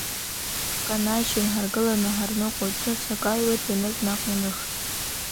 Ҳканажьын, ҳаргыланы ҳарныҟәоит, ҿыц ак аҩуеит, ианыз наҟ ианых.